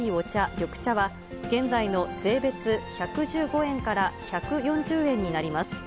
緑茶は、現在の税別１１５円から１４０円になります。